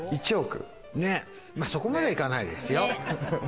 そこまではいかないですよ。